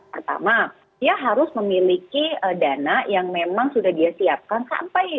pertama dia harus memiliki dana yang memang sudah dia siapkan sampai